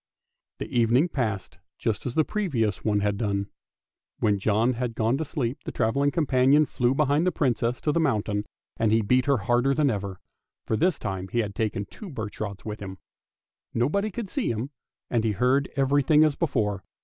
The evening passed just as the previous one had done. When John had gone to sleep the travelling companion flew behind the Princess to the mountain, and he beat her harder than ever, for this time he had taken two birch rods with him. Nobody could see him, and he heard everything as before.